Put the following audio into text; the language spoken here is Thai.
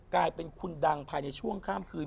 กลายเป็นคุณดังภายในช่วงข้ามคืน